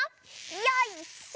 よいしょ！